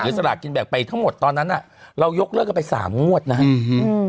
หรือสลากกินแบบไปทั้งหมดตอนนั้นเรายกเลิกออกไป๓งวดนะครับ